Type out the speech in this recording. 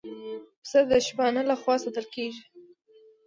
پسه د شپانه له خوا ساتل کېږي.